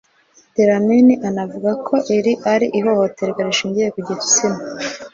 Dlamini anavuga ko iri ari ihohoterwa rishingiye ku gitsina